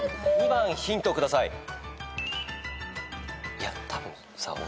いやたぶんさ俺。